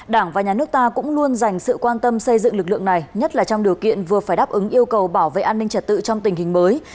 đảng và nhà nước ta cũng luôn dành sự quan tâm xây dựng lực lượng này nhất là trong điều kiện vừa phải đáp ứng yêu cầu bảo vệ an ninh trật tự trong tình hình mới